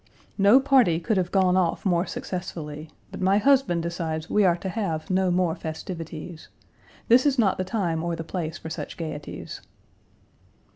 No party could have gone off more successfully, but my husband decides we are to have no more festivities. This is not the time or the place for such gaieties.